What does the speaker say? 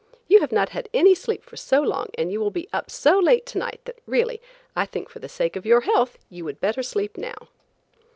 You have not had any sleep for so long and you will be up so late to night, that, really, I think for the sake of your health you would better sleep now."